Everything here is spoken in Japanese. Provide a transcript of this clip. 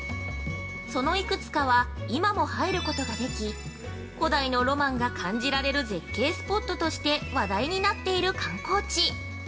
その幾つかは今も入ることができ、古代のロマンが感じられる絶景スポットとして話題になっている観光地。